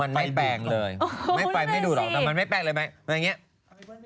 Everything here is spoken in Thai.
มันไม่แปลงเลยไม่ตายไม่ดูหรอกมันไม่แปลงเลยนะ